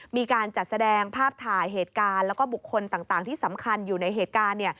มีการจัดแสดงภาพถ่ายเหตุการณ์แล้วก็บุคคลต่างที่สำคัญอยู่ในเหตุการณ์